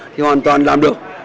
thì hoàn toàn làm được